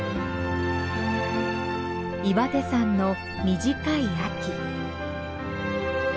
岩手山の短い秋。